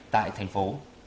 tại thành phố